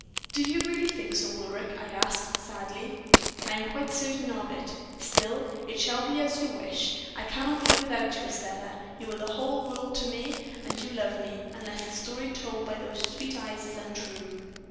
"'Do you really think so, Ulric?' I asked, sadly. "'I am quite certain of it: still it shall be as you wish. I cannot live without you, Estelle. You are the whole world to me; and you love me, unless the story told by those sweet eyes is untrue.'